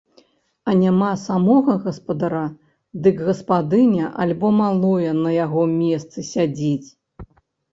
А няма самога гаспадара, дык гаспадыня альбо малое на яго месцы сядзіць.